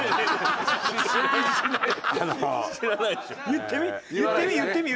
言ってみ。